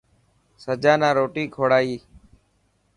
سجا نا روٽي ڪوڙائي.